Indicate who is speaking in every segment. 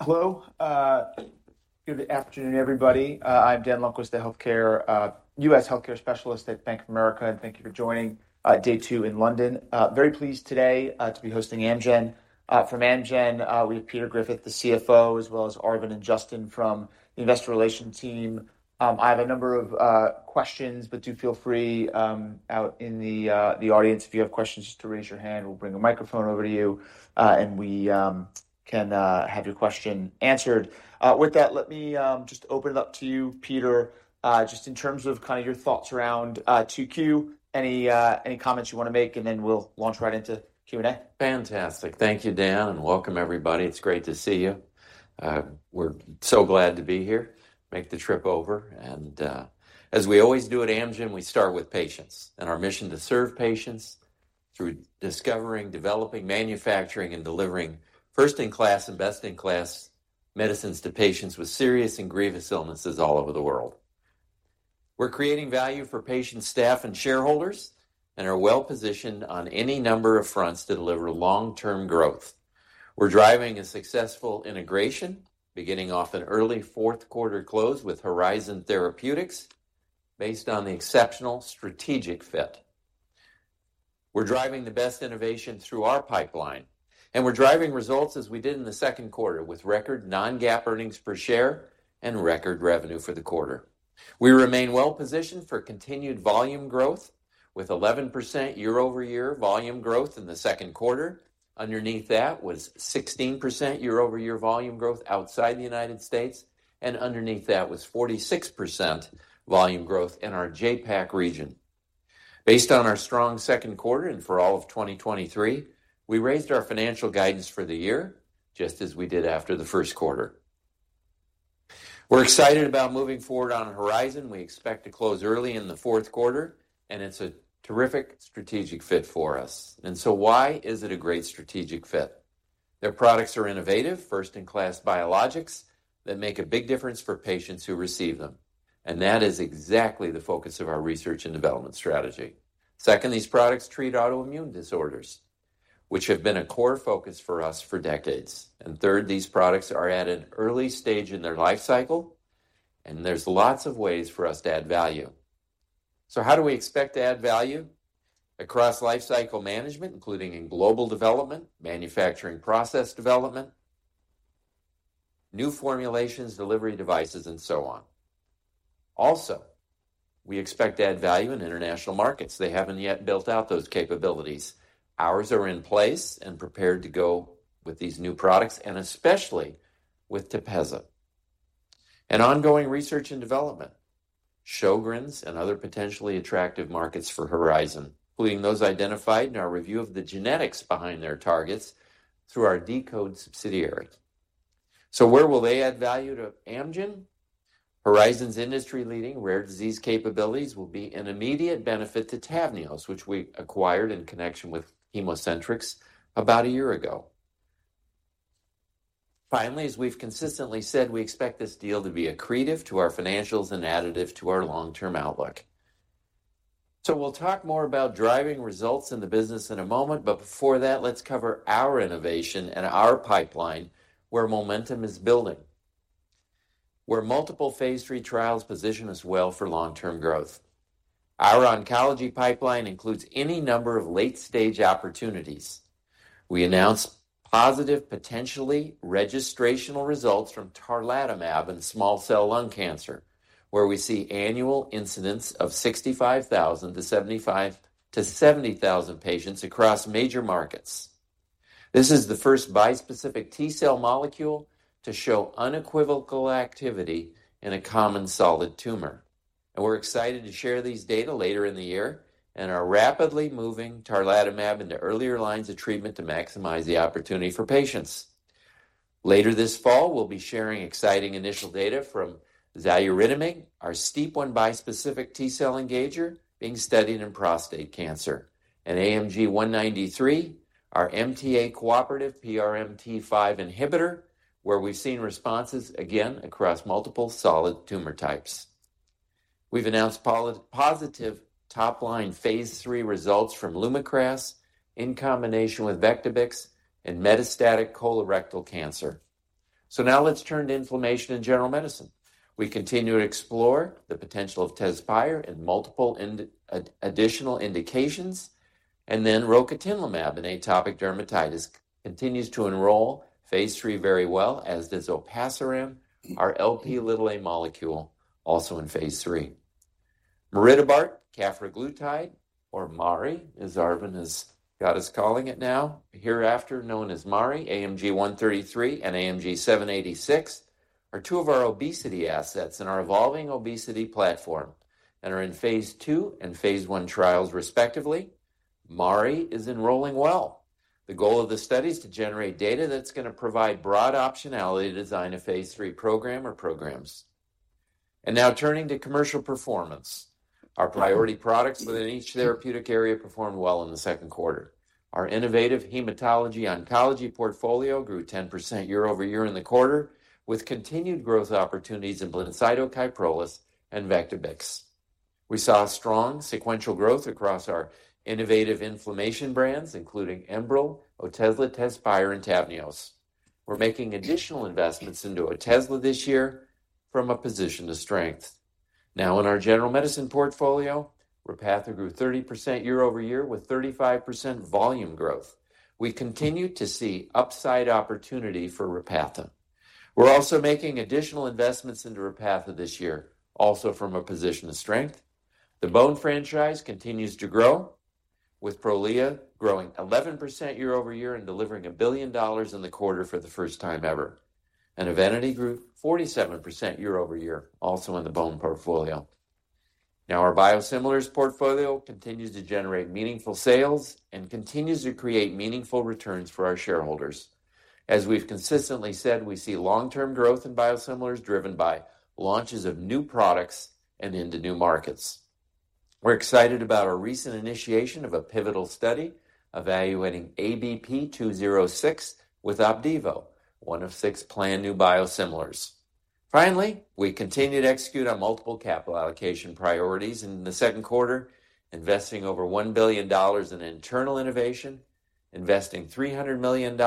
Speaker 1: Hello, good afternoon, everybody. I'm Daniel Lundquist, the healthcare, US healthcare specialist at Bank of America, and thank you for joining day two in London. Very pleased today to be hosting Amgen. From Amgen, we have Peter Griffith, the CFO, as well as Arvind and Justin from the investor relations team. I have a number of questions, but do feel free, out in the audience, if you have questions, just to raise your hand. We'll bring a microphone over to you, and we can have your question answered. With that, let me just open it up to you, Peter. Just in terms of kind of your thoughts around 2Q, any comments you want to make, and then we'll launch right into Q&A.
Speaker 2: Fantastic. Thank you, Dan, and welcome, everybody. It's great to see you. We're so glad to be here, make the trip over, and, as we always do at Amgen, we start with patients and our mission to serve patients through discovering, developing, manufacturing, and delivering first-in-class and best-in-class medicines to patients with serious and grievous illnesses all over the world. We're creating value for patients, staff, and shareholders and are well-positioned on any number of fronts to deliver long-term growth. We're driving a successful integration, beginning off an early fourth quarter close with Horizon Therapeutics based on the exceptional strategic fit. We're driving the best innovation through our pipeline, and we're driving results as we did in the second quarter, with record non-GAAP earnings per share and record revenue for the quarter. We remain well positioned for continued volume growth, with 11% year-over-year volume growth in the second quarter. Underneath that was 16% year-over-year volume growth outside the United States, and underneath that was 46% volume growth in our JAPAC region. Based on our strong second quarter and for all of 2023, we raised our financial guidance for the year, just as we did after the first quarter. We're excited about moving forward on Horizon. We expect to close early in the fourth quarter, and it's a terrific strategic fit for us. So why is it a great strategic fit? Their products are innovative, first-in-class biologics that make a big difference for patients who receive them, and that is exactly the focus of our research and development strategy. Second, these products treat autoimmune disorders, which have been a core focus for us for decades. And third, these products are at an early stage in their life cycle, and there's lots of ways for us to add value. So how do we expect to add value? Across lifecycle management, including in global development, manufacturing, process development, new formulations, delivery devices, and so on. Also, we expect to add value in international markets. They haven't yet built out those capabilities. Ours are in place and prepared to go with these new products, and especially with TEPEZZA. And ongoing research and development, Sjögren's and other potentially attractive markets for Horizon, including those identified in our review of the genetics behind their targets through our deCODE subsidiary. So where will they add value to Amgen? Horizon's industry-leading rare disease capabilities will be an immediate benefit to TAVNEOS, which we acquired in connection with ChemoCentryx about a year ago. Finally, as we've consistently said, we expect this deal to be accretive to our financials and additive to our long-term outlook. So we'll talk more about driving results in the business in a moment, but before that, let's cover our innovation and our pipeline, where momentum is building, where multiple Phase III trials position us well for long-term growth. Our oncology pipeline includes any number of late-stage opportunities. We announced positive, potentially registrational results from tarlatamab in small cell lung cancer, where we see annual incidence of 65,000 to 70,000 patients across major markets. This is the first bispecific T-cell molecule to show unequivocal activity in a common solid tumor, and we're excited to share these data later in the year and are rapidly moving tarlatamab into earlier lines of treatment to maximize the opportunity for patients. Later this fall, we'll be sharing exciting initial data from xaluritamab, our STEAP1 bispecific T-cell engager being studied in prostate cancer, and AMG 193, our MTA-cooperative PRMT5 inhibitor, where we've seen responses again across multiple solid tumor types. We've announced positive top-line phase III results from LUMAKRAS in combination with VECTIBIX in metastatic colorectal cancer. So now let's turn to inflammation and general medicine. We continue to explore the potential of TEZSPIRE in multiple additional indications, and then rocatinlimab in atopic dermatitis continues to enroll phase III very well, as does olpasiran, our Lp(a) molecule, also in phase III. Maridebart cafraglutide, or Mari, as Arvind has got us calling it now, hereafter known as Mari, AMG 133 and AMG 786, are two of our obesity assets in our evolving obesity platform and are in phase II and phase I trials, respectively. Mari is enrolling well. The goal of the study is to generate data that's gonna provide broad optionality to design a phase III program or programs. Now turning to commercial performance. Our priority products within each therapeutic area performed well in the second quarter. Our innovative hematology/oncology portfolio grew 10% year-over-year in the quarter, with continued growth opportunities in BLINCYTO, KYPROLIS, and VECTIBIX.... We saw a strong sequential growth across our innovative inflammation brands, including Enbrel, Otezla, TEZSPIRE, and TAVNEOS. We're making additional investments into Otezla this year from a position of strength. Now, in our general medicine portfolio, Repatha grew 30% year-over-year, with 35% volume growth. We continue to see upside opportunity for Repatha. We're also making additional investments into Repatha this year, also from a position of strength. The bone franchise continues to grow, with Prolia growing 11% year-over-year and delivering $1 billion in the quarter for the first time ever. EVENITY grew 47% year-over-year, also in the bone portfolio. Now, our biosimilars portfolio continues to generate meaningful sales and continues to create meaningful returns for our shareholders. As we've consistently said, we see long-term growth in biosimilars, driven by launches of new products and into new markets. We're excited about our recent initiation of a pivotal study evaluating ABP 206 with Opdivo, one of 6 planned new biosimilars. Finally, we continue to execute on multiple capital allocation priorities in the second quarter, investing over $1 billion in internal innovation, investing $300 million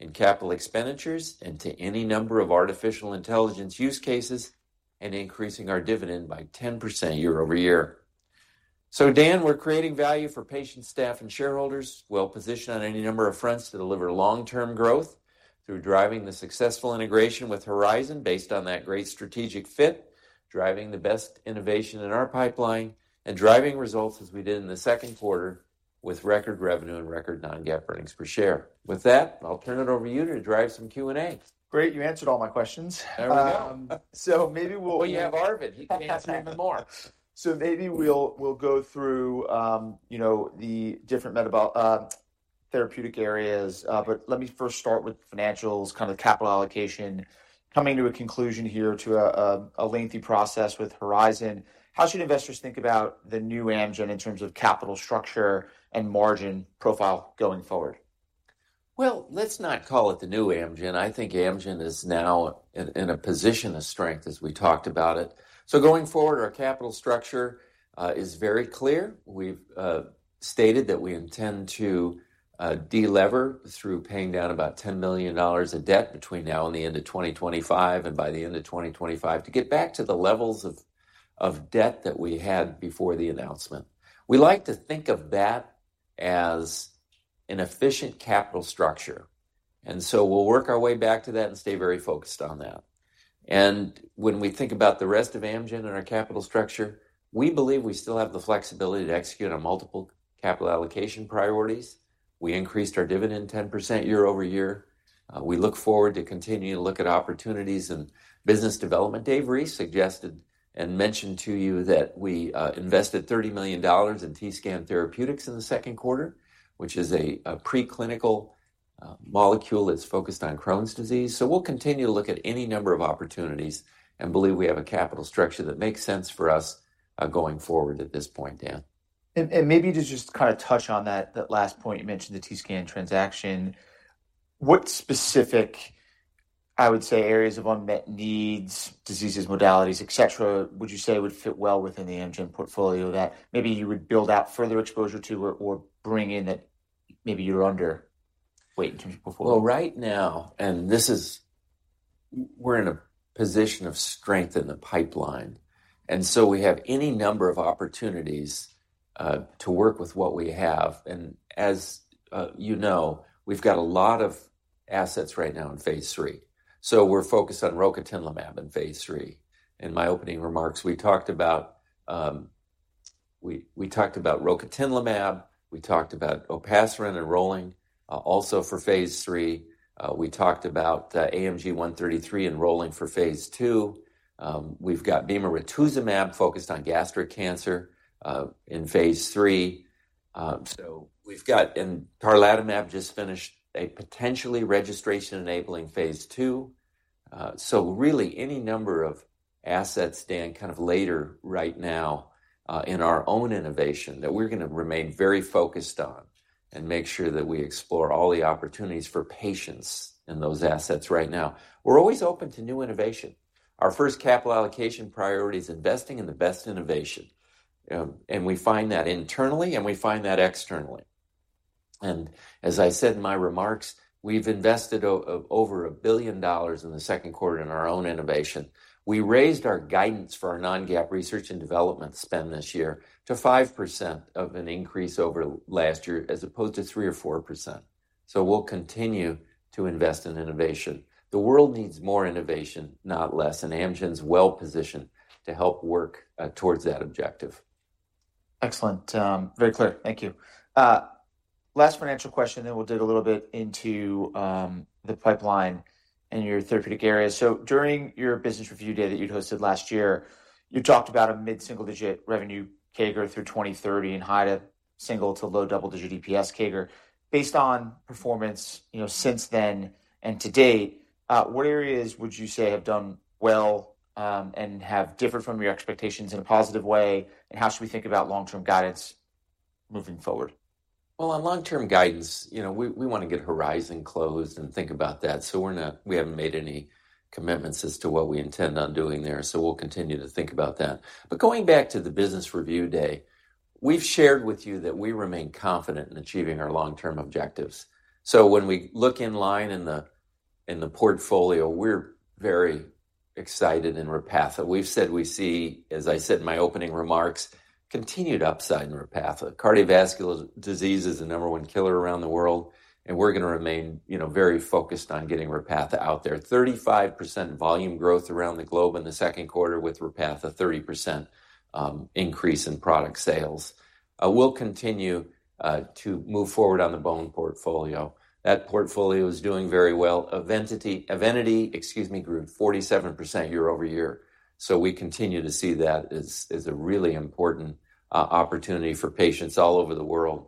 Speaker 2: in capital expenditures, and to any number of artificial intelligence use cases, and increasing our dividend by 10% year-over-year. So, Dan, we're creating value for patients, staff, and shareholders. Well-positioned on any number of fronts to deliver long-term growth through driving the successful integration with Horizon based on that great strategic fit, driving the best innovation in our pipeline, and driving results as we did in the second quarter with record revenue and record non-GAAP earnings per share. With that, I'll turn it over to you to drive some Q&A.
Speaker 1: Great. You answered all my questions.
Speaker 2: There we go.
Speaker 1: So maybe we'll-
Speaker 2: Well, you have Arvind. He can answer even more.
Speaker 1: So maybe we'll go through, you know, the different therapeutic areas, but let me first start with financials, kind of capital allocation. Coming to a conclusion here to a lengthy process with Horizon, how should investors think about the new Amgen in terms of capital structure and margin profile going forward?
Speaker 2: Well, let's not call it the new Amgen. I think Amgen is now in, in a position of strength, as we talked about it. So going forward, our capital structure is very clear. We've stated that we intend to de-lever through paying down about $10 million of debt between now and the end of 2025, and by the end of 2025, to get back to the levels of, of debt that we had before the announcement. We like to think of that as an efficient capital structure, and so we'll work our way back to that and stay very focused on that. And when we think about the rest of Amgen and our capital structure, we believe we still have the flexibility to execute on multiple capital allocation priorities. We increased our dividend 10% year-over-year. We look forward to continuing to look at opportunities and business development. Dave Reese suggested and mentioned to you that we invested $30 million in T-Scan Therapeutics in the second quarter, which is a preclinical molecule that's focused on Crohn's disease. So we'll continue to look at any number of opportunities and believe we have a capital structure that makes sense for us going forward at this point, Dan.
Speaker 1: Maybe to just kind of touch on that last point you mentioned, the T-Scan transaction. What specific, I would say, areas of unmet needs, diseases, modalities, et cetera, would you say would fit well within the Amgen portfolio that maybe you would build out further exposure to or bring in that maybe you're under weight in terms of before?
Speaker 2: Well, right now, and this is... We're in a position of strength in the pipeline, and so we have any number of opportunities to work with what we have. And as, you know, we've got a lot of assets right now in phase III, so we're focused on rocatinlimab in phase III. In my opening remarks, we talked about rocatinlimab, we talked about olpasiran enrolling also for phase III. We talked about AMG 133 enrolling for phase II. We've got bemarituzumab focused on gastric cancer in phase III. So we've got and tarlatamab just finished a potentially registration-enabling phase II. So really any number of assets, Dan, kind of later right now in our own innovation that we're gonna remain very focused on and make sure that we explore all the opportunities for patients in those assets right now. We're always open to new innovation. Our first capital allocation priority is investing in the best innovation, and we find that internally, and we find that externally. And as I said in my remarks, we've invested over $1 billion in the second quarter in our own innovation. We raised our guidance for our non-GAAP research and development spend this year to 5% of an increase over last year, as opposed to 3% or 4%. So we'll continue to invest in innovation. The world needs more innovation, not less, and Amgen's well-positioned to help work towards that objective.
Speaker 1: Excellent. Very clear. Thank you. Last financial question, then we'll dig a little bit into the pipeline and your therapeutic area. So during your business review day that you'd hosted last year, you talked about a mid-single-digit revenue CAGR through 2030 and high single- to low double-digit EPS CAGR. Based on performance, you know, since then and to date, what areas would you say have done well and have differed from your expectations in a positive way, and how should we think about long-term guidance?... moving forward?
Speaker 2: Well, on long-term guidance, you know, we wanna get Horizon closed and think about that. So we're not. We haven't made any commitments as to what we intend on doing there, so we'll continue to think about that. But going back to the business review day, we've shared with you that we remain confident in achieving our long-term objectives. So when we look in line in the portfolio, we're very excited in Repatha. We've said we see, as I said in my opening remarks, continued upside in Repatha. Cardiovascular disease is the number one killer around the world, and we're gonna remain, you know, very focused on getting Repatha out there. 35% volume growth around the globe in the second quarter with Repatha, 30% increase in product sales. We'll continue to move forward on the bone portfolio. That portfolio is doing very well. Evenity, excuse me, grew 47% year-over-year, so we continue to see that as, as a really important opportunity for patients all over the world.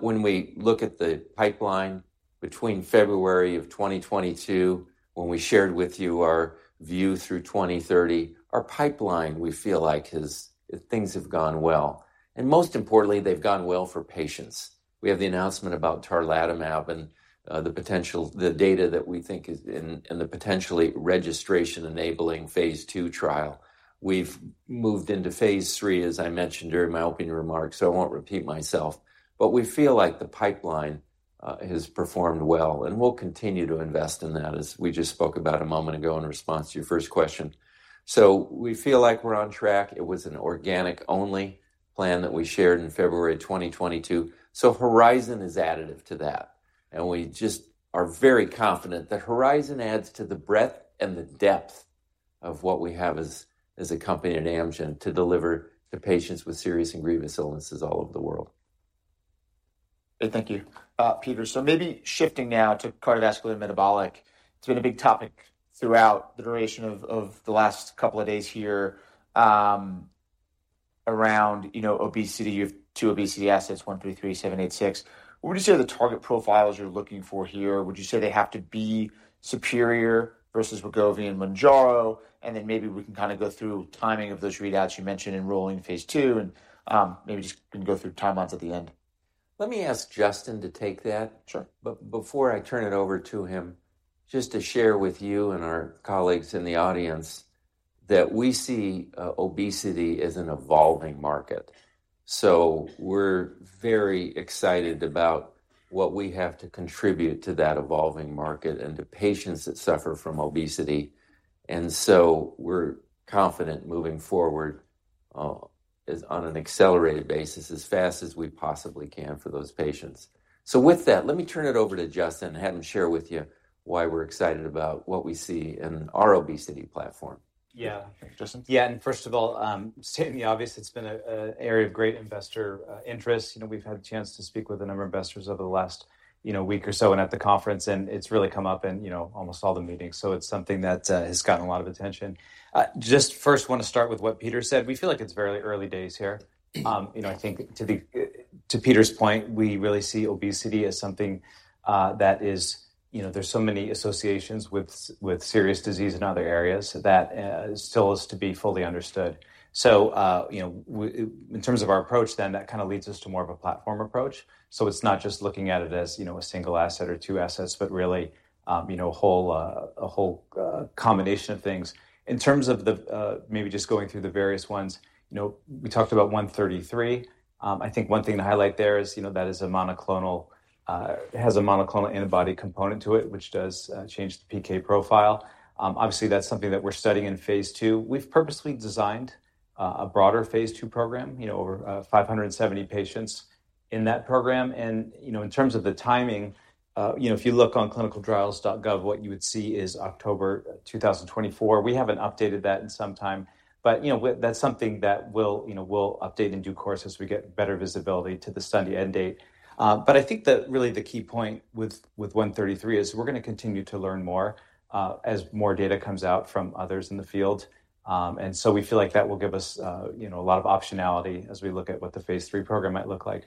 Speaker 2: When we look at the pipeline between February of 2022, when we shared with you our view through 2030, our pipeline, we feel like, has... things have gone well, and most importantly, they've gone well for patients. We have the announcement about tarlatamab and, the potential, the data that we think is in, in the potentially registration-enabling phase 2 trial. We've moved into phase III, as I mentioned during my opening remarks, so I won't repeat myself, but we feel like the pipeline has performed well, and we'll continue to invest in that, as we just spoke about a moment ago in response to your first question. So we feel like we're on track. It was an organic-only plan that we shared in February 2022, so Horizon is additive to that, and we just are very confident that Horizon adds to the breadth and the depth of what we have as, as a company at Amgen to deliver to patients with serious and grievous illnesses all over the world.
Speaker 1: Good. Thank you, Peter. So maybe shifting now to cardiovascular and metabolic. It's been a big topic throughout the duration of the last couple of days here, around, you know, obesity. You have two obesity assets, AMG 133, AMG 786. What would you say are the target profiles you're looking for here? Would you say they have to be superior versus Wegovy and Mounjaro? And then maybe we can kinda go through timing of those readouts you mentioned, enrolling phase 2, and maybe just can go through timelines at the end.
Speaker 2: Let me ask Justin to take that.
Speaker 1: Sure.
Speaker 2: But before I turn it over to him, just to share with you and our colleagues in the audience, that we see obesity as an evolving market. So we're very excited about what we have to contribute to that evolving market and to patients that suffer from obesity. And so we're confident moving forward on an accelerated basis, as fast as we possibly can for those patients. So with that, let me turn it over to Justin and have him share with you why we're excited about what we see in our obesity platform.
Speaker 3: Yeah.
Speaker 1: Thanks, Justin.
Speaker 3: Yeah, and first of all, stating the obvious, it's been an area of great investor interest. You know, we've had a chance to speak with a number of investors over the last, you know, week or so and at the conference, and it's really come up in, you know, almost all the meetings. So it's something that has gotten a lot of attention. Just first wanna start with what Peter said. We feel like it's very early days here. You know, I think to the to Peter's point, we really see obesity as something that is... You know, there's so many associations with with serious disease in other areas that still is to be fully understood. So, you know, in terms of our approach, then that kind of leads us to more of a platform approach. So it's not just looking at it as, you know, a single asset or two assets, but really, you know, a whole combination of things. In terms of the maybe just going through the various ones, you know, we talked about 133. I think one thing to highlight there is, you know, that is a monoclonal, it has a monoclonal antibody component to it, which does change the PK profile. Obviously, that's something that we're studying in phase 2. We've purposely designed a broader phase 2 program, you know, over 570 patients in that program. And, you know, in terms of the timing, you know, if you look on clinicaltrials.gov, what you would see is October 2024. We haven't updated that in some time, but, you know, that's something that we'll, you know, we'll update in due course as we get better visibility to the study end date. But I think that really the key point with, with AMG 133 is we're gonna continue to learn more, as more data comes out from others in the field. And so we feel like that will give us, you know, a lot of optionality as we look at what the phase 3 program might look like.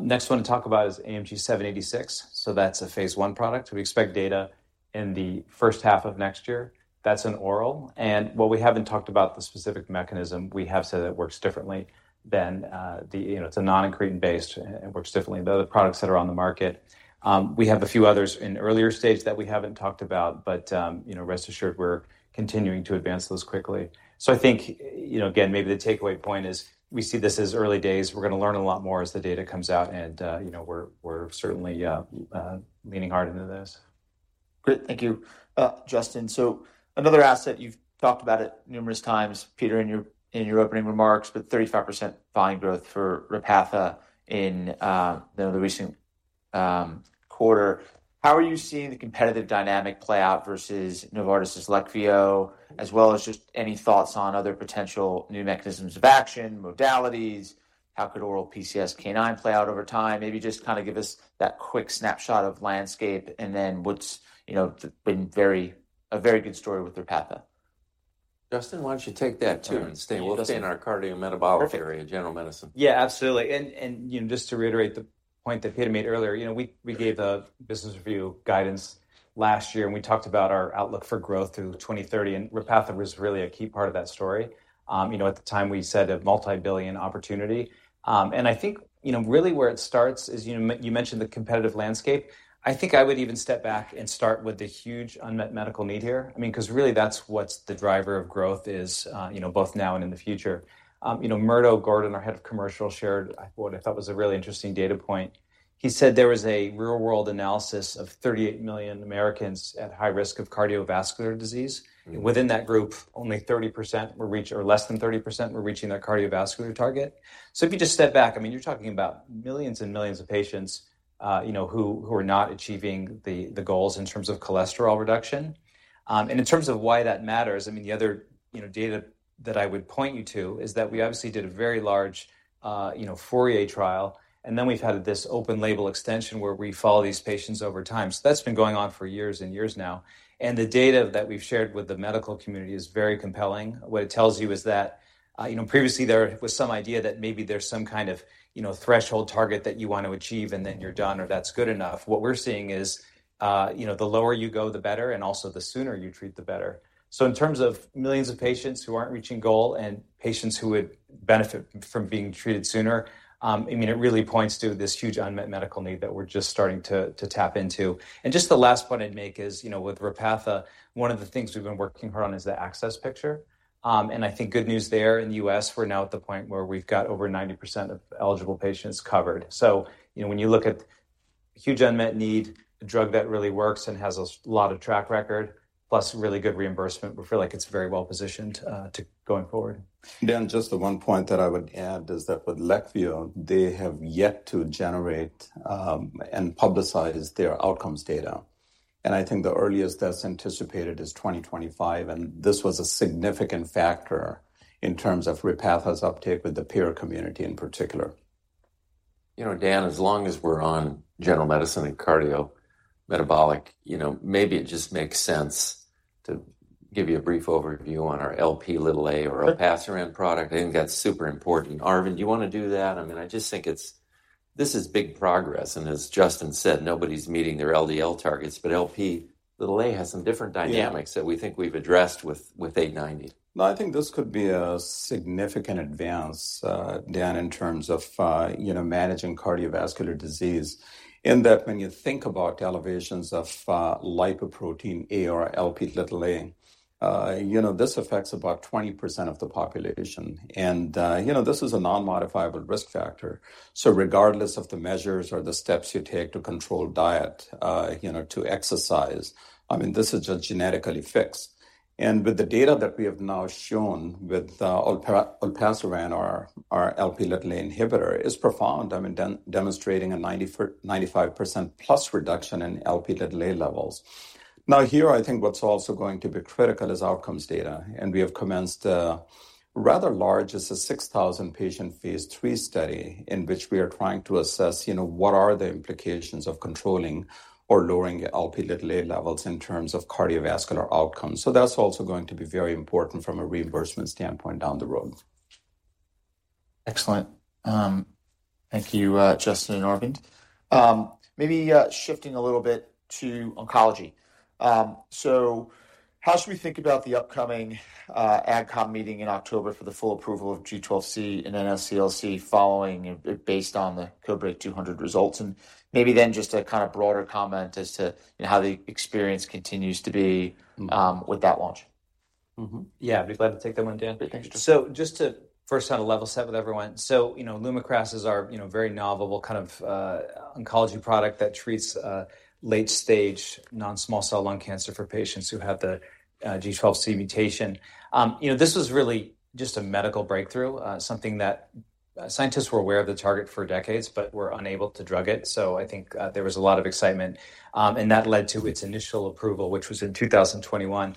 Speaker 3: Next one to talk about is AMG 786. So that's a phase 1 product. We expect data in the first half of next year. That's an oral, and while we haven't talked about the specific mechanism, we have said it works differently than, the... You know, it's a non-incretin-based, it works differently than the other products that are on the market. We have a few others in earlier stage that we haven't talked about, but, you know, rest assured, we're continuing to advance those quickly. So I think, you know, again, maybe the takeaway point is, we see this as early days. We're gonna learn a lot more as the data comes out, and, you know, we're certainly leaning hard into this.
Speaker 1: Great. Thank you, Justin. So another asset, you've talked about it numerous times, Peter, in your opening remarks, but 35% volume growth for Repatha in the recent quarter. How are you seeing the competitive dynamic play out versus Novartis' Leqvio, as well as just any thoughts on other potential new mechanisms of action, modalities? How could oral PCSK9 play out over time? Maybe just kind of give us that quick snapshot of landscape, and then what's, you know, been a very good story with Repatha.
Speaker 2: Justin, why don't you take that, too, and stay within our cardiometabolic-
Speaker 3: Perfect...
Speaker 2: area of general medicine?
Speaker 3: Yeah, absolutely. And you know, just to reiterate the point that Peter made earlier, you know, we gave the business review guidance last year, and we talked about our outlook for growth through 2030, and Repatha was really a key part of that story. You know, at the time we said a multi-billion opportunity. And I think, you know, really where it starts is, you mentioned the competitive landscape. I think I would even step back and start with the huge unmet medical need here. I mean, because really that's what's the driver of growth is, you know, both now and in the future. You know, Murdo Gordon, our Head of Commercial, shared what I thought was a really interesting data point. He said there was a real-world analysis of 38 million Americans at high risk of cardiovascular disease. Within that group, only 30% were reaching or less than 30% were reaching their cardiovascular target. So if you just step back, I mean, you're talking about millions and millions of patients, you know, who are not achieving the goals in terms of cholesterol reduction. And in terms of why that matters, I mean, the other data that I would point you to is that we obviously did a very large FOURIER trial, and then we've had this open label extension where we follow these patients over time. So that's been going on for years and years now, and the data that we've shared with the medical community is very compelling. What it tells you is that, you know, previously there was some idea that maybe there's some kind of, you know, threshold target that you want to achieve, and then you're done or that's good enough. What we're seeing is, you know, the lower you go, the better, and also the sooner you treat, the better. So in terms of millions of patients who aren't reaching goal and patients who would benefit from being treated sooner, I mean, it really points to this huge unmet medical need that we're just starting to tap into. And just the last point I'd make is, you know, with Repatha, one of the things we've been working hard on is the access picture. And I think good news there in the U.S., we're now at the point where we've got over 90% of eligible patients covered. So, you know, when you look at huge unmet need, a drug that really works and has a lot of track record, plus really good reimbursement, we feel like it's very well positioned to going forward.
Speaker 4: Dan, just the one point that I would add is that with Leqvio, they have yet to generate and publicize their outcomes data, and I think the earliest that's anticipated is 2025, and this was a significant factor in terms of Repatha's uptake with the peer community in particular.
Speaker 2: You know, Dan, as long as we're on general medicine and cardiometabolic, you know, maybe it just makes sense to give you a brief overview on our Lp(a) or olpasiran product. I think that's super important. Arvind, do you want to do that? I mean, I just think it's... This is big progress, and as Justin said, nobody's meeting their LDL targets, but Lp(a) has some different dynamics-
Speaker 4: Yeah.
Speaker 2: that we think we've addressed with A90.
Speaker 4: No, I think this could be a significant advance, Dan, in terms of, you know, managing cardiovascular disease, in that when you think about elevations of, lipoprotein(a) or Lp(a), you know, this affects about 20% of the population, and, you know, this is a non-modifiable risk factor. So regardless of the measures or the steps you take to control diet, you know, to exercise, I mean, this is a genetically fixed. And with the data that we have now shown with, olpasiran, our Lp(a) inhibitor, is profound. I mean, demonstrating a 95%+ reduction in Lp(a) levels. Now, here, I think what's also going to be critical is outcomes data, and we have commenced a rather large, it's a 6,000 patient phase 3 study, in which we are trying to assess, you know, what are the implications of controlling or lowering Lp(a) levels in terms of cardiovascular outcomes. So that's also going to be very important from a reimbursement standpoint down the road.
Speaker 1: Excellent. Thank you, Justin and Arvind. Maybe shifting a little bit to oncology. So how should we think about the upcoming adcom meeting in October for the full approval of G12C in NSCLC, following it based on the CodeBreaK 200 results? And maybe then just a kind of broader comment as to, you know, how the experience continues to be with that launch.
Speaker 3: Mm-hmm. Yeah, I'd be glad to take that one, Dan.
Speaker 1: Great. Thanks, Justin.
Speaker 3: So just to first kind of level set with everyone. So, you know, LUMAKRAS is our, you know, very novel kind of, oncology product that treats, late-stage non-small cell lung cancer for patients who have the, G12C mutation. You know, this was really just a medical breakthrough, something that, scientists were aware of the target for decades, but were unable to drug it. So I think, there was a lot of excitement, and that led to its initial approval, which was in 2021.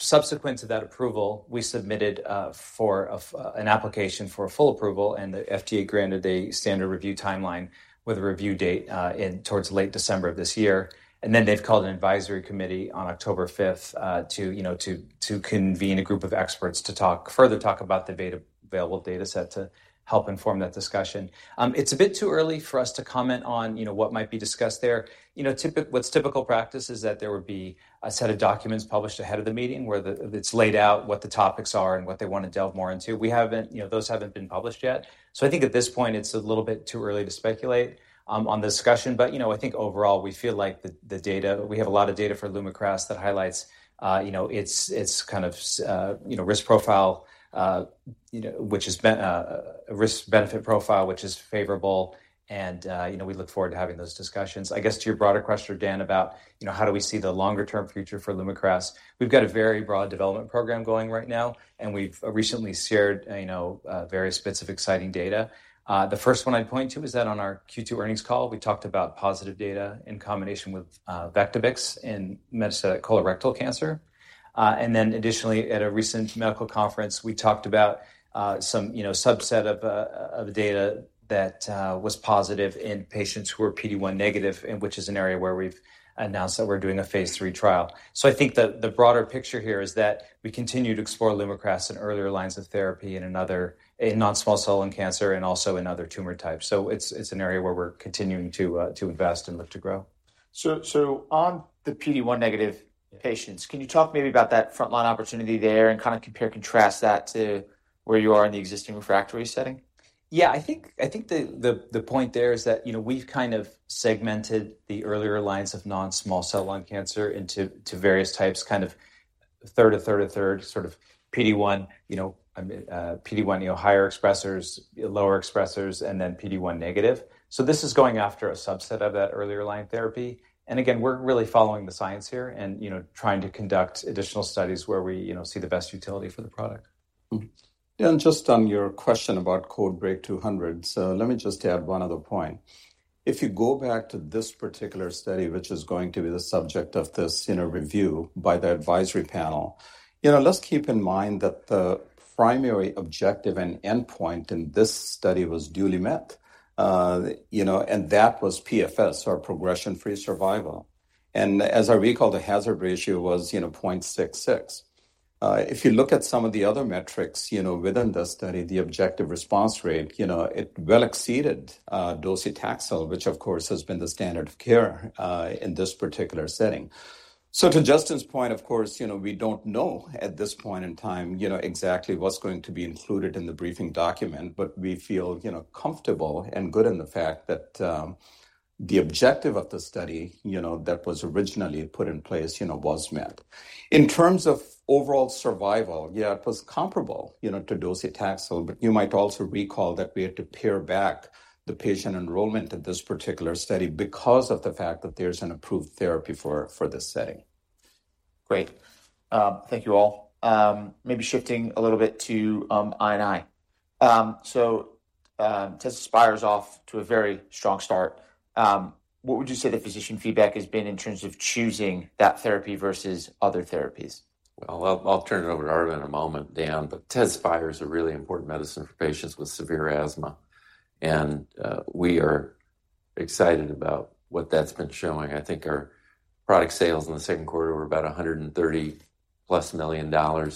Speaker 3: Subsequent to that approval, we submitted, for, an application for full approval, and the FDA granted a standard review timeline with a review date, in towards late December of this year. Then they've called an advisory committee on October fifth to convene a group of experts to talk further about the beta-available dataset to help inform that discussion. It's a bit too early for us to comment on what might be discussed there. You know, what's typical practice is that there would be a set of documents published ahead of the meeting, where it's laid out what the topics are, and what they want to delve more into. We haven't, you know, those haven't been published yet, so I think at this point, it's a little bit too early to speculate on the discussion. But, you know, I think overall, we feel like the data we have a lot of data for LUMAKRAS that highlights, you know, it's, it's kind of risk profile, you know, which has been, a risk-benefit profile, which is favorable, and, you know, we look forward to having those discussions. I guess, to your broader question, Dan, about, you know, how do we see the longer-term future for LUMAKRAS? We've got a very broad development program going right now, and we've recently shared, you know, various bits of exciting data. The first one I'd point to is that on our Q2 earnings call, we talked about positive data in combination with VECTIBIX in metastatic colorectal cancer. And then additionally, at a recent medical conference, we talked about some, you know, subset of data that was positive in patients who were PD-1 negative, and which is an area where we've announced that we're doing a phase 3 trial. So I think the broader picture here is that we continue to explore LUMAKRAS in earlier lines of therapy, in non-small cell lung cancer and also in other tumor types. So it's an area where we're continuing to invest and look to grow....
Speaker 1: So, on the PD-1 negative patients, can you talk maybe about that frontline opportunity there and kind of compare and contrast that to where you are in the existing refractory setting?
Speaker 3: Yeah, I think the point there is that, you know, we've kind of segmented the earlier lines of non-small cell lung cancer into two various types, kind of a third, a third sort of PD-1. You know, PD-1, you know, higher expressers, lower expressers, and then PD-1 negative. So this is going after a subset of that earlier line therapy. And again, we're really following the science here and, you know, trying to conduct additional studies where we, you know, see the best utility for the product.
Speaker 1: Mm-hmm.
Speaker 4: Dan, just on your question about CodeBreaK 200. So let me just add one other point. If you go back to this particular study, which is going to be the subject of this, you know, review by the advisory panel, you know, let's keep in mind that the primary objective and endpoint in this study was duly met, you know, and that was PFS or progression-free survival. And as I recall, the hazard ratio was, you know, 0.66. If you look at some of the other metrics, you know, within the study, the objective response rate, you know, it well exceeded docetaxel, which of course, has been the standard of care in this particular setting. So to Justin's point, of course, you know, we don't know at this point in time, you know, exactly what's going to be included in the briefing document, but we feel, you know, comfortable and good in the fact that the objective of the study, you know, that was originally put in place, you know, was met. In terms of overall survival, yeah, it was comparable, you know, to docetaxel, but you might also recall that we had to pare back the patient enrollment in this particular study because of the fact that there's an approved therapy for this setting.
Speaker 1: Great. Thank you all. Maybe shifting a little bit to, I and I. So, TEZSPIRE's off to a very strong start. What would you say the physician feedback has been in terms of choosing that therapy versus other therapies?
Speaker 2: Well, I'll turn it over to Arvind in a moment, Dan, but TEZSPIRE is a really important medicine for patients with severe asthma, and we are excited about what that's been showing. I think our product sales in the second quarter were about $130+ million.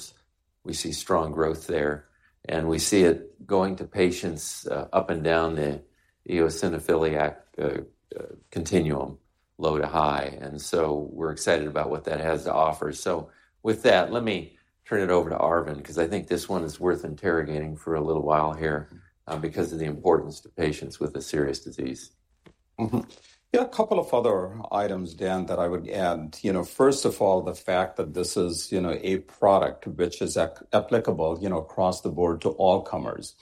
Speaker 2: We see strong growth there, and we see it going to patients up and down the eosinophilic continuum, low to high, and so we're excited about what that has to offer. So with that, let me turn it over to Arvind, because I think this one is worth interrogating for a little while here, because of the importance to patients with a serious disease.
Speaker 4: Mm-hmm. Yeah, a couple of other items, Dan, that I would add. You know, first of all, the fact that this is, you know, a product which is applicable, you know, across the board to all comers,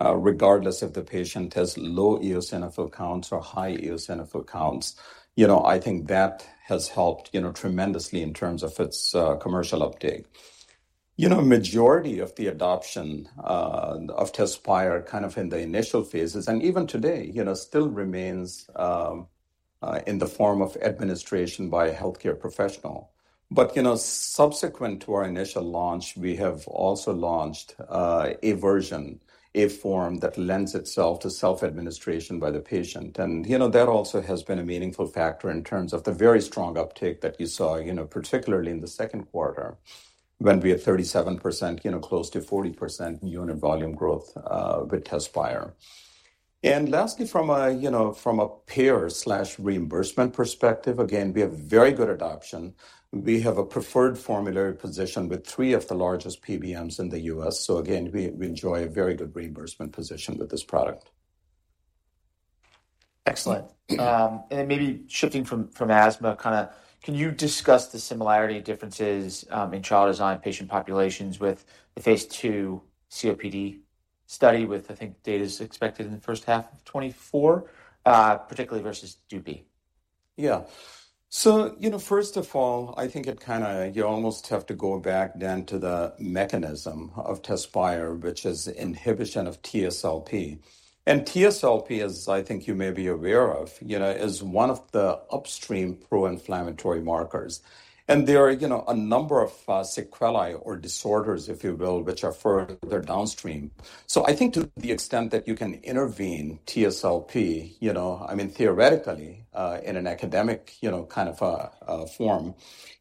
Speaker 4: regardless if the patient has low eosinophil counts or high eosinophil counts. You know, I think that has helped, you know, tremendously in terms of its commercial uptake. You know, majority of the adoption of TEZSPIRE kind of in the initial phases and even today, you know, still remains in the form of administration by a healthcare professional. But, you know, subsequent to our initial launch, we have also launched a version, a form that lends itself to self-administration by the patient. And, you know, that also has been a meaningful factor in terms of the very strong uptake that you saw, you know, particularly in the second quarter, when we had 37%, you know, close to 40% unit volume growth with TEZSPIRE. And lastly, from a, you know, from a payer/reimbursement perspective, again, we have very good adoption. We have a preferred formulary position with three of the largest PBMs in the U.S. So again, we, we enjoy a very good reimbursement position with this product.
Speaker 1: Excellent. And maybe shifting from asthma, kinda, can you discuss the similarity and differences in trial design, patient populations with the phase 2 COPD study, I think, data is expected in the first half of 2024, particularly versus Dupixent?
Speaker 4: Yeah. So, you know, first of all, I think it kind of, you almost have to go back down to the mechanism of TEZSPIRE, which is inhibition of TSLP. And TSLP, as I think you may be aware of, you know, is one of the upstream pro-inflammatory markers, and there are, you know, a number of, sequelae or disorders, if you will, which are further downstream. So I think to the extent that you can intervene TSLP, you know, I mean, theoretically, in an academic, you know, kind of a form,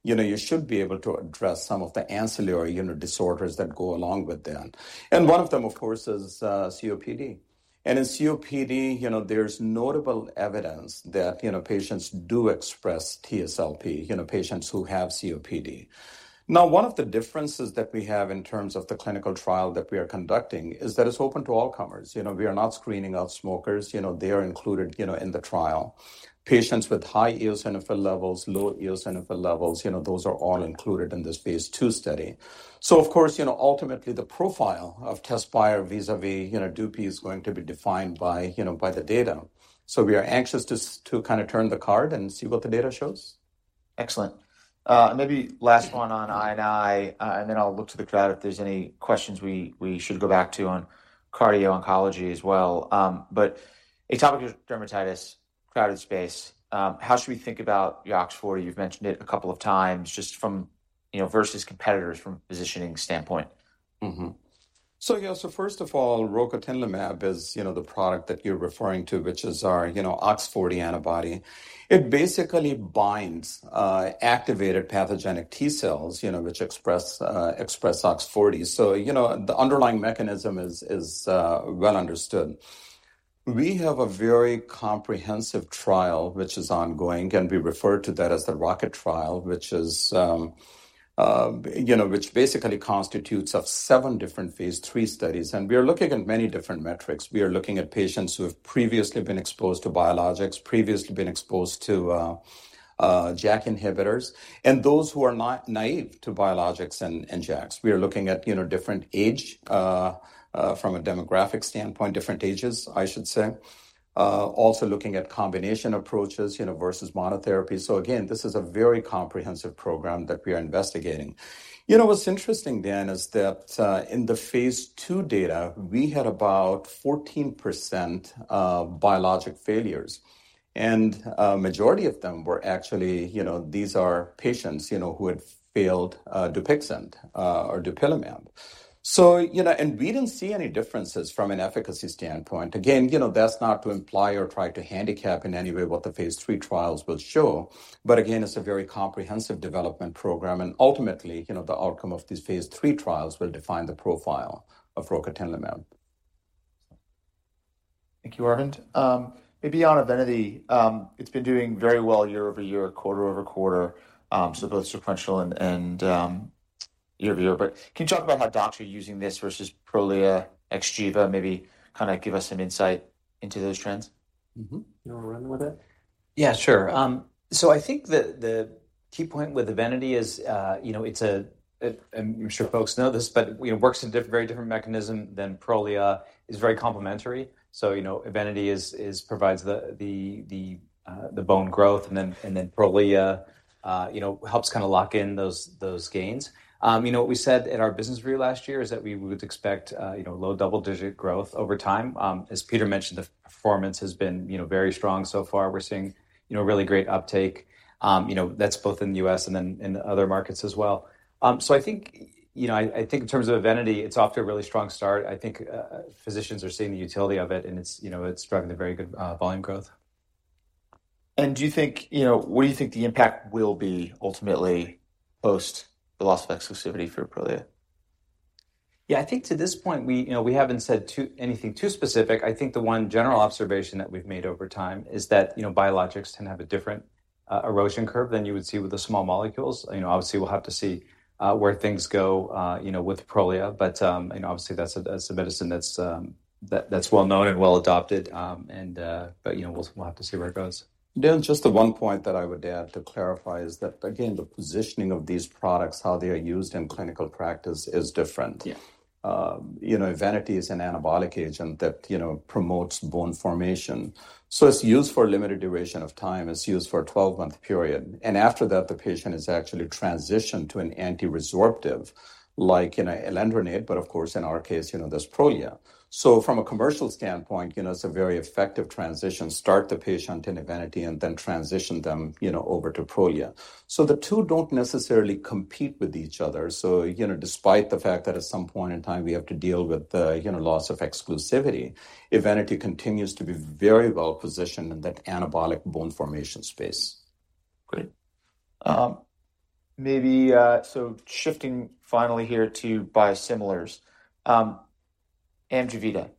Speaker 4: you know, you should be able to address some of the ancillary, you know, disorders that go along with that. And one of them, of course, is, COPD. And in COPD, you know, there's notable evidence that, you know, patients do express TSLP, you know, patients who have COPD. Now, one of the differences that we have in terms of the clinical trial that we are conducting is that it's open to all comers. You know, we are not screening out smokers. You know, they are included, you know, in the trial. Patients with high eosinophil levels, low eosinophil levels, you know, those are all included in this phase two study. So of course, you know, ultimately the profile of TEZSPIRE vis-à-vis, you know, Dupixent, is going to be defined by, you know, by the data. So we are anxious to to kind of turn the card and see what the data shows.
Speaker 1: Excellent. Maybe last one on I and I, and then I'll look to the crowd if there's any questions we, we should go back to on cardio oncology as well. But atopic dermatitis, crowded space, how should we think about OX40? You've mentioned it a couple of times, just from, you know, versus competitors from positioning standpoint.
Speaker 4: Mm-hmm. So, yeah. So first of all, rocatinlimab is, you know, the product that you're referring to, which is our, you know, OX40 antibody. It basically binds activated pathogenic T cells, you know, which express OX40. So, you know, the underlying mechanism is well understood. We have a very comprehensive trial, which is ongoing, and we refer to that as the ROCKET Trial, which is, you know, which basically constitutes of seven different phase III studies, and we are looking at many different metrics. We are looking at patients who have previously been exposed to biologics, previously been exposed to JAK inhibitors, and those who are not naive to biologics and JAKs. We are looking at, you know, different age from a demographic standpoint, different ages, I should say. Also looking at combination approaches, you know, versus monotherapy. So again, this is a very comprehensive program that we are investigating. You know, what's interesting, Dan, is that, in the phase II data, we had about 14%, biologic failures, and, majority of them were actually you know, these are patients, you know, who had failed, Dupixent, or dupilumab. So, you know, and we didn't see any differences from an efficacy standpoint. Again, you know, that's not to imply or try to handicap in any way what the phase III trials will show, but again, it's a very comprehensive development program, and ultimately, you know, the outcome of these phase III trials will define the profile of rocatinlimab.
Speaker 1: Thank you, Arvind. Maybe on Evenity, it's been doing very well year-over-year, quarter-over-quarter, so both sequential and year-over-year. But can you talk about how doctors are using this versus Prolia, XGEVA, maybe kinda give us some insight into those trends?
Speaker 3: Mm-hmm. You wanna run with it? Yeah, sure. So I think the key point with Evenity is, you know, it's a... I'm sure folks know this, but, you know, it works in very different mechanism than Prolia, is very complementary. So, you know, Evenity is provides the bone growth, and then Prolia, you know, helps kinda lock in those gains. You know what we said in our business review last year is that we would expect, you know, low double-digit growth over time. As Peter mentioned, the performance has been, you know, very strong so far. We're seeing, you know, really great uptake. You know, that's both in the U.S. and then in other markets as well. So I think, you know, I think in terms of Evenity, it's off to a really strong start. I think, physicians are seeing the utility of it, and it's, you know, it's driving a very good, volume growth.
Speaker 1: Do you think... You know, what do you think the impact will be ultimately post the loss of exclusivity for Prolia?
Speaker 3: Yeah, I think to this point, we, you know, we haven't said anything too specific. I think the one general observation that we've made over time is that, you know, biologics tend to have a different erosion curve than you would see with the small molecules. You know, obviously, we'll have to see where things go, you know, with Prolia. But, you know, obviously, that's a medicine that's well known and well adopted, and, but, you know, we'll have to see where it goes.
Speaker 4: Dan, just the one point that I would add to clarify is that, again, the positioning of these products, how they are used in clinical practice, is different.
Speaker 3: Yeah.
Speaker 4: You know, Evenity is an anabolic agent that, you know, promotes bone formation, so it's used for a limited duration of time. It's used for a 12-month period, and after that, the patient is actually transitioned to an anti-resorptive, like, you know, alendronate, but of course, in our case, you know, there's Prolia. So from a commercial standpoint, you know, it's a very effective transition. Start the patient on Evenity and then transition them, you know, over to Prolia. So the two don't necessarily compete with each other. So, you know, despite the fact that at some point in time we have to deal with the, you know, loss of exclusivity, Evenity continues to be very well positioned in that anabolic bone formation space.
Speaker 1: Great. Maybe, so shifting finally here to biosimilars. AMJEVITA,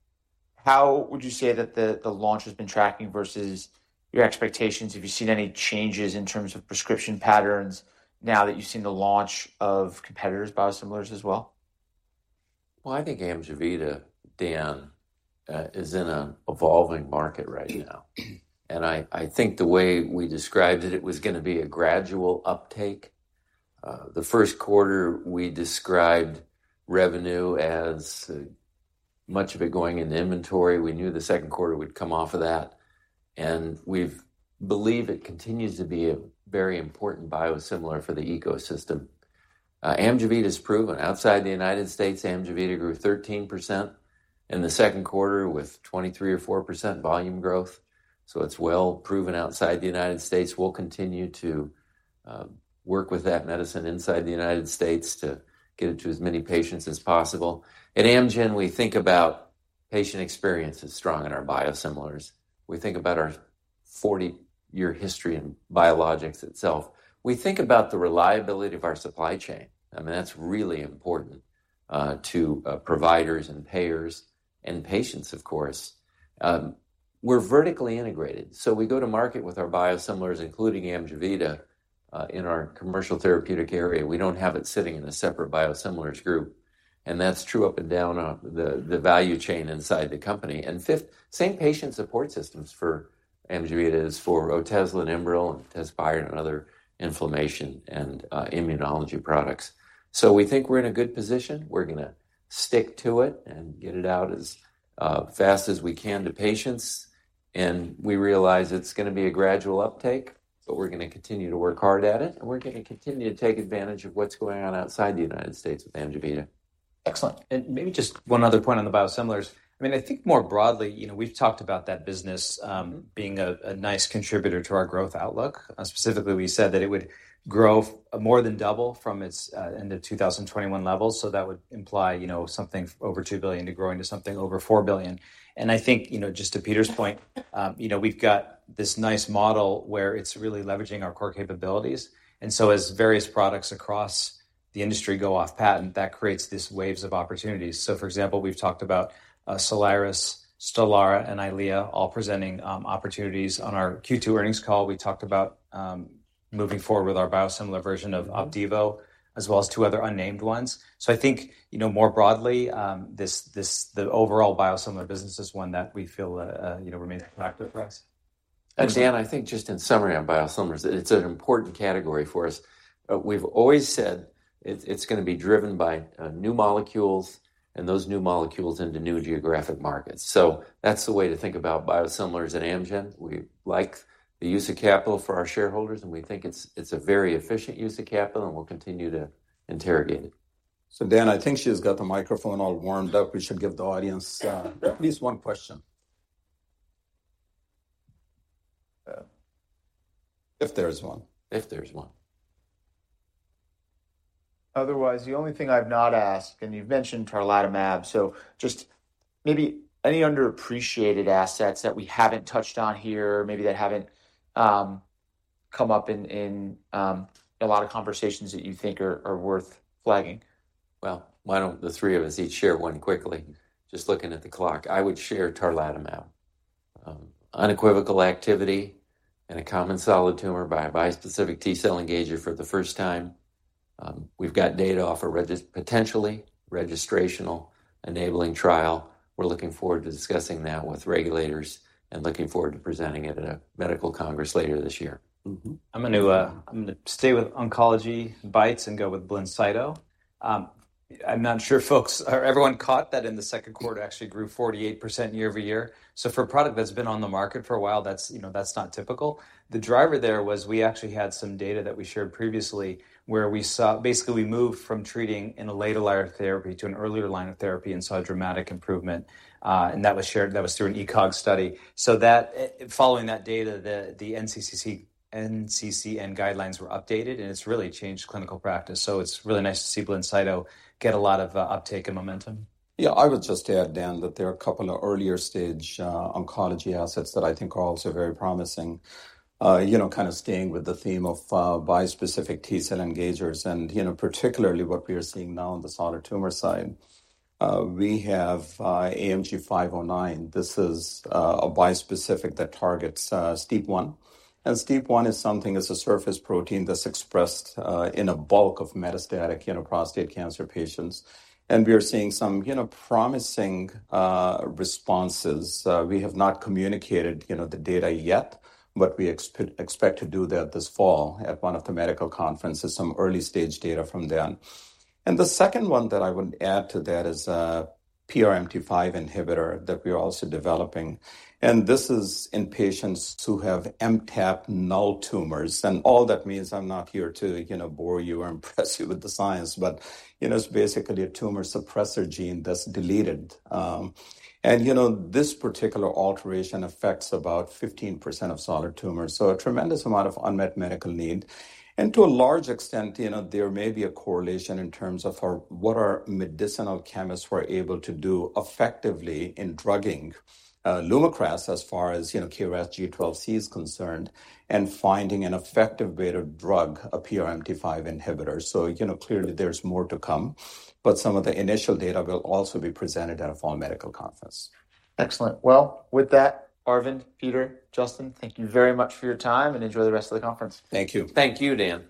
Speaker 1: how would you say that the, the launch has been tracking versus your expectations? Have you seen any changes in terms of prescription patterns now that you've seen the launch of competitors' biosimilars as well?
Speaker 2: Well, I think AMJEVITA, Dan, is in an evolving market right now. And I think the way we described it, it was gonna be a gradual uptake. The first quarter, we described revenue as much of it going into inventory. We knew the second quarter would come off of that, and we believe it continues to be a very important biosimilar for the ecosystem. AMJEVITA is proven. Outside the United States, AMJEVITA grew 13% in the second quarter, with 23%-24% volume growth, so it's well proven outside the United States. We'll continue to work with that medicine inside the United States to get it to as many patients as possible. At Amgen, we think about patient experience as strong in our biosimilars. We think about our 40-year history in biologics itself. We think about the reliability of our supply chain. I mean, that's really important to providers and payers and patients, of course. We're vertically integrated, so we go to market with our biosimilars, including AMJEVITA, in our commercial therapeutic area. We don't have it sitting in a separate biosimilars group, and that's true up and down the value chain inside the company. And fifth, same patient support systems for AMJEVITA as for Otezla and Enbrel and TEZSPIRE and other inflammation and immunology products. So we think we're in a good position. We're gonna stick to it and get it out as fast as we can to patients, and we realize it's gonna be a gradual uptake, but we're gonna continue to work hard at it, and we're gonna continue to take advantage of what's going on outside the United States with AMJEVITA.
Speaker 1: Excellent.
Speaker 3: Maybe just one other point on the biosimilars. I mean, I think more broadly, you know, we've talked about that business being a nice contributor to our growth outlook. Specifically, we said that it would grow more than double from its end of 2021 levels, so that would imply, you know, something over $2 billion to growing to something over $4 billion. And I think, you know, just to Peter's point, you know, we've got this nice model where it's really leveraging our core capabilities, and so as various products across the industry go off patent, that creates these waves of opportunities. So for example, we've talked about Soliris, Stelara, and EYLEA all presenting opportunities. On our Q2 earnings call, we talked about moving forward with our biosimilar version of Opdivo, as well as two other unnamed ones. I think, you know, more broadly, the overall biosimilar business is one that we feel, you know, remains attractive for us.
Speaker 2: And Dan, I think just in summary, on biosimilars, it's an important category for us. We've always said it's gonna be driven by new molecules and those new molecules into new geographic markets. So that's the way to think about biosimilars at Amgen. We like the use of capital for our shareholders, and we think it's a very efficient use of capital, and we'll continue to interrogate it.
Speaker 4: So Dan, I think she's got the microphone all warmed up. We should give the audience at least one question. If there is one.
Speaker 2: If there is one.
Speaker 3: Otherwise, the only thing I've not asked, and you've mentioned tarlatamab, so just maybe any underappreciated assets that we haven't touched on here, maybe that haven't come up in a lot of conversations that you think are worth flagging?
Speaker 2: Well, why don't the three of us each share one quickly? Just looking at the clock. I would share tarlatamab. Unequivocal activity in a common solid tumor by a bispecific T-cell engager for the first time. We've got data off a potentially registrational enabling trial. We're looking forward to discussing that with regulators and looking forward to presenting it at a medical congress later this year.
Speaker 4: Mm-hmm.
Speaker 3: I'm going to, I'm gonna stay with oncology BiTEs and go with BLINCYTO. I'm not sure if folks or everyone caught that in the second quarter, actually grew 48% year-over-year. So for a product that's been on the market for a while, that's, you know, that's not typical. The driver there was we actually had some data that we shared previously where we saw... Basically, we moved from treating in a later line of therapy to an earlier line of therapy and saw a dramatic improvement, and that was shared, that was through an ECOG study. So that, following that data, the NCCN guidelines were updated, and it's really changed clinical practice. So it's really nice to see BLINCYTO get a lot of uptake and momentum.
Speaker 4: Yeah. I would just add, Dan, that there are a couple of earlier stage oncology assets that I think are also very promising. You know, kind of staying with the theme of bispecific T-cell engagers and, you know, particularly what we are seeing now on the solid tumor side. We have AMG 509. This is a bispecific that targets STEAP1. And STEAP1 is something as a surface protein that's expressed in a bulk of metastatic, you know, prostate cancer patients. And we are seeing some, you know, promising responses. We have not communicated the data yet, but we expect to do that this fall at one of the medical conferences, some early-stage data from then. And the second one that I would add to that is, PRMT5 inhibitor that we are also developing, and this is in patients who have MTAP null tumors. And all that means, I'm not here to, you know, bore you or impress you with the science, but you know, it's basically a tumor suppressor gene that's deleted. And you know, this particular alteration affects about 15% of solid tumors, so a tremendous amount of unmet medical need. And to a large extent, you know, there may be a correlation in terms of our, what our medicinal chemists were able to do effectively in drugging, LUMAKRAS, as far as, you know, KRAS G12C is concerned, and finding an effective way to drug a PRMT5 inhibitor. You know, clearly there's more to come, but some of the initial data will also be presented at a fall medical conference.
Speaker 1: Excellent. Well, with that, Arvind, Peter, Justin, thank you very much for your time, and enjoy the rest of the conference.
Speaker 2: Thank you.
Speaker 4: Thank you, Dan.